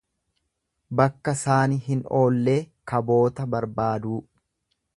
Bakka saani hin oollee kaboota barbaaduu.